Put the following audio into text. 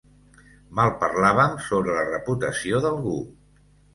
Malparlàvem sobre la reputació d'algú.